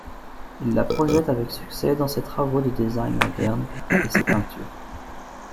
Il la projette avec succès dans ses travaux de design modernes et ses peintures.